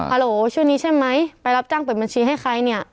โหลชื่อนี้ใช่ไหมไปรับจ้างเปิดบัญชีให้ใครเนี่ย